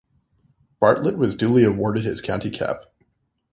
Bartlett was duly awarded his county cap.